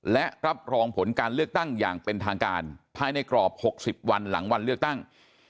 และรับรองผลการเลือกตั้งอย่างเป็นทางการภายในกรอบ๖๐วันหลังวันเลือกตั้ง